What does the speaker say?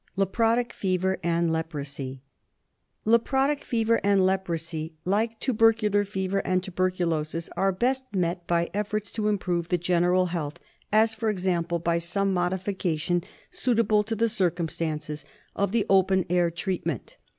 Leprotic Fever and Leprosy. Leprotic Fever and Leprosy, like tubercular fever and tuberculosis, are best met by attempts to improve the general health, as for example by some modification, suitable to the circumstances, of the open air treatment.